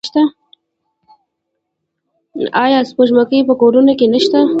آیا سپوږمکۍ په کورونو کې نشته؟